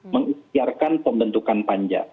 mengisiarkan pembentukan panja